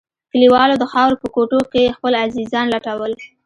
کليوالو د خاورو په کوټو کښې خپل عزيزان لټول.